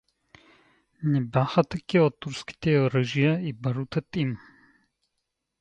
Не бяха такива турските оръжия и барутът им.